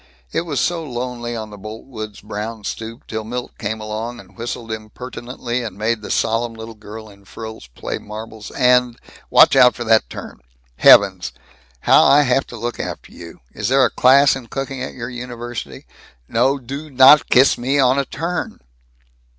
It was so lonely on the Boltwoods' brown stoop till Milt came along and whistled impertinently and made the solemn little girl in frills play marbles and Watch out for that turn! Heavens, how I have to look after you! Is there a class in cooking at your university? No do not kiss me on a turn!"